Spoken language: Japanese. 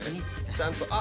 ちゃんとあ。